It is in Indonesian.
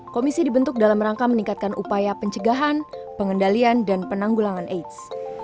komisi dibentuk dalam rangka meningkatkan upaya pencegahan pengendalian dan penanggulangan aids